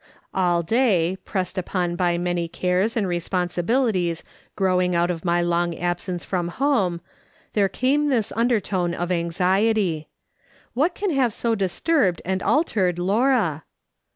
All day, pressed upon by many cares and respon sibilities, growing out of my long absence from home, there came this undertone of anxiety :" What can have so disturbed and altered Laura